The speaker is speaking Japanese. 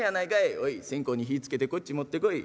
おい線香に火ぃつけてこっち持ってこい。